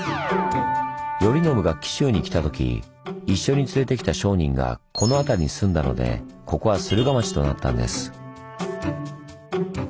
頼宣が紀州に来たとき一緒に連れてきた商人がこの辺りに住んだのでここは「駿河町」となったんです。